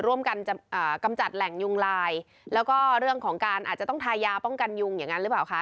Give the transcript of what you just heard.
ร่วมกันกำจัดแหล่งยุงลายแล้วก็เรื่องของการอาจจะต้องทายาป้องกันยุงอย่างนั้นหรือเปล่าคะ